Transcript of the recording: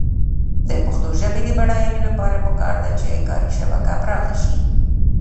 د پښتو ژبې د بډاینې لپاره پکار ده چې کاري شبکه پراخه شي.